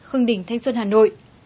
khương đình thanh xuân hà nội